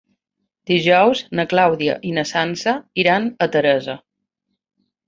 Dijous na Clàudia i na Sança iran a Teresa.